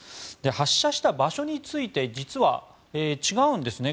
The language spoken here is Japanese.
発射した場所について実は、違うんですね